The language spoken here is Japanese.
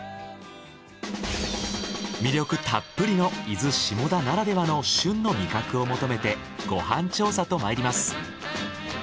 魅力たっぷりの伊豆下田ならではの旬の味覚を求めてご飯調査とまいります。